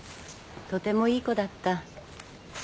とてもいい子だった。